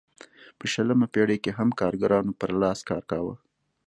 په شلمه پېړۍ کې هم کارګرانو پر لاس کار کاوه.